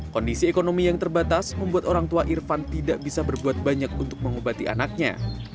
kondisi ekonomi yang terbatas membuat orang tua irfan tidak bisa berbuat banyak untuk mengobati anaknya